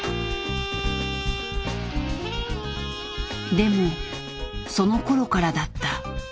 でもそのころからだった。